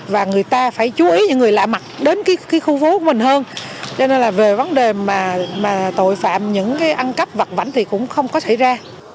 và người ta phải chú ý những người lạ mặt đến khu vố của mình hơn cho nên là về vấn đề tội phạm những ăn cắp vặt vảnh thì cũng không có xảy ra